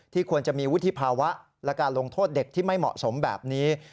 ควรจะมีวุฒิภาวะและการลงโทษเด็กที่ไม่เหมาะสมแบบนี้